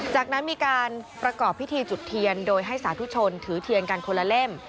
จากนั้นมีการประกอบพิธีจุดเทียนโดยให้สาธุชนถือเทียนกันคนละเล่ม